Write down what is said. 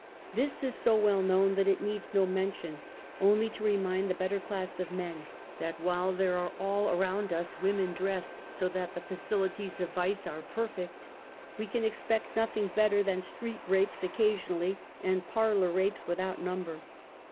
This us so well known that it needs no mention, only to remind the better class of men, that while there are all around us women dressed so that the facilities of \ vice are perfect, we can expect nothing better than I ^ street rapes occasionally and parlor rapes without ^ number.